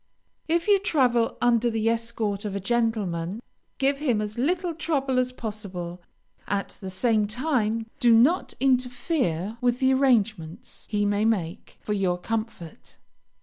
If you travel under the escort of a gentleman, give him as little trouble as possible; at the same time, do not interfere with the arrangements he may make for your comfort.